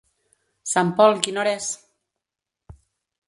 Sant Pol, quina hora és?